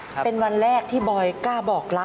ตื่นขึ้นมาอีกทีตอน๑๐โมงเช้า